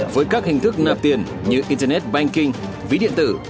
với các hình thức nạp tiền như internet banking ví điện tử